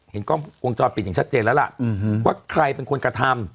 เห็นกล้องวงจรปิดอย่างชัดเจนแล้วล่ะว่าใครเป็นคนกระทำ